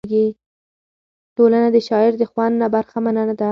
ټولنه د شاعر د خوند نه برخمنه نه ده.